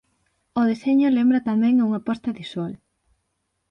O deseño lembra tamén a unha posta de sol.